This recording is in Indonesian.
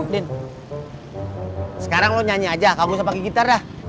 din sekarang lo nyanyi aja kau gak usah pake gitar dah